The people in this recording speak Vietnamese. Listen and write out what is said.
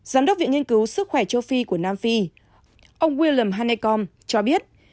giám đốc viện nghiên cứu sức khỏe châu phi của nam phi ông willam hanekom cho biết